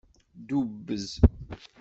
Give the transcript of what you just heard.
Dubbez.